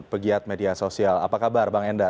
pegiat media sosial apa kabar bang enda